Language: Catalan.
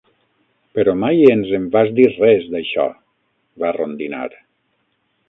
"Però mai ens en vas dir res, d'això", va rondinar.